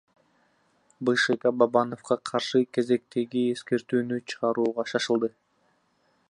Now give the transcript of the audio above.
БШК Бабановго каршы кезектеги эскертүүнү чыгарууга шашылды.